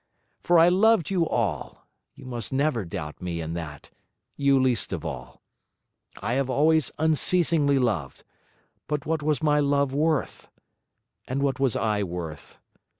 For I loved you all; you must never doubt me in that, you least of all. I have always unceasingly loved, but what was my love worth? and what was I worth?